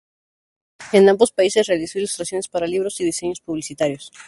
En ambos países realizó ilustraciones para libros y diseños publicitarios.